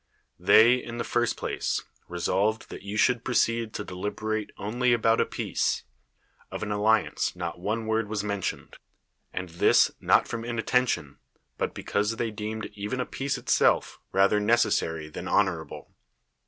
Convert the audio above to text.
They in the first place, resolved that you should pro ceed to deliberate only about a peace. Of an alliance not one word was mentioned; and this not from inattention, but because they deemed even a peace itself rather necessary than honor able.